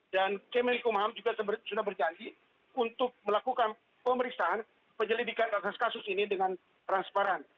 dan kementerian hukum dan ham juga sudah berjanji untuk melakukan pemeriksaan penyelidikan kasus ini dengan transparan